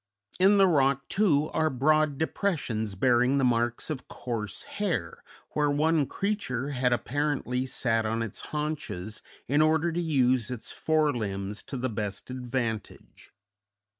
In the rock, too, are broad depressions bearing the marks of coarse hair, where one creature had apparently sat on its haunches in order to use its fore limbs to the best advantage.